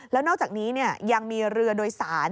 แล้วนอกจากนี้ยังมีเรือโดยสาร